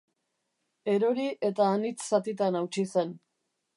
Erori eta anitz zatitan hautsi zen.